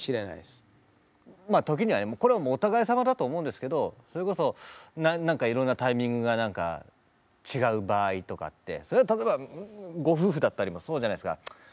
まあ時にはこれはもうお互いさまだと思うんですけどそれこそ何かいろんなタイミングが何か違う場合とかってそれは例えばご夫婦だったりもそうじゃないですか。